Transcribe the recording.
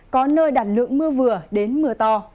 có nơi đạt lượng mưa vừa đến mưa to